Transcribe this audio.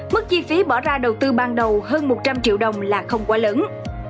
mức chi phí bỏ ra đầu tư ban đầu hơn một trăm linh triệu đồng là không quá lớn